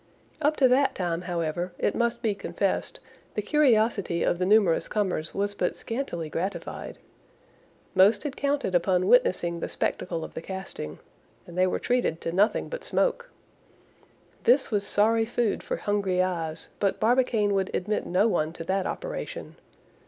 Up to that time, however, it must be confessed, the curiosity of the numerous comers was but scantily gratified. Most had counted upon witnessing the spectacle of the casting, and they were treated to nothing but smoke. This was sorry food for hungry eyes; but Barbicane would admit no one to that operation.